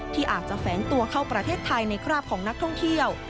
ที่อาจจะแฝงตัวเข้าประเทศไทยในคราบของนักท่องเที่ยว